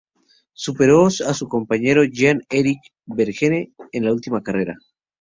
Superó a su compañero Jean-Éric Vergne en la última carrera.